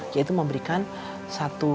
yaitu memberikan satu